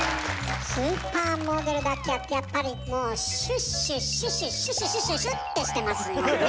スーパーモデルだけあってやっぱりもうシュッシュッシュシュシュシュシュシュシュッてしてますもんね。